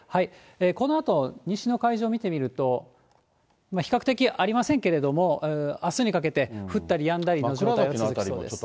このあと、西の海上を見てみると、比較的、ありませんけれども、あすにかけて降ったりやんだりの状態は続きそうです。